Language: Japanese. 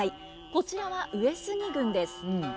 こちらは上杉軍です。